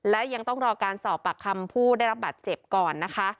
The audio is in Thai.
และยังต้องรอการสอบปากคำผู้ได้รับบัตรเจ็บก่อนนะคะ